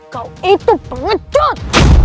kau itu pengecut